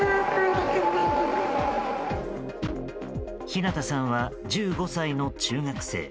ひなたさんは１５歳の中学生。